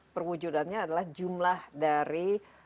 perwujudannya adalah jumlah dari